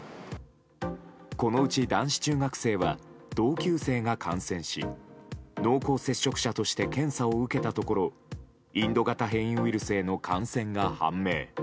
このうち男子中学生は同級生が感染し濃厚接触者として検査を受けたところインド型変異ウイルスへの感染が判明。